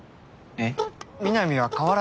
えっ？